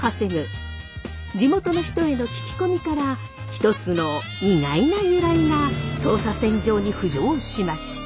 地元の人への聞き込みから一つの意外な由来が捜査線上に浮上しました。